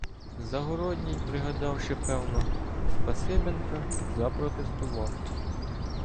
Загородній, пригадавши, певно, Спасибенка, запротестував.